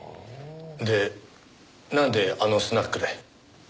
でなんであのスナックで？